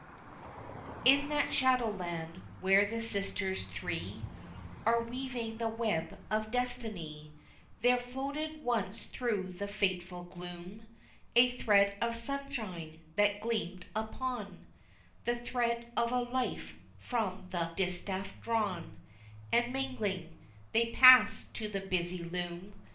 IN that shadow land, where the Sisters three Are weaving the web of destiny, There floated once through the fateful gloom A thread of sunshine, that gleamed upon The thread of a life from the distaff drawn, And mingling, they passed to the busy loom.